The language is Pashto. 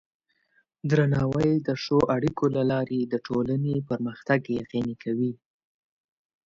درناوی د ښو اړیکو له لارې د ټولنې پرمختګ یقیني کوي.